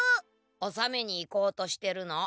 おさめに行こうとしてるの。